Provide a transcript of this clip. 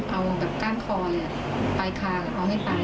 เอาแบบก้านคอปลายคางเอาให้ตาย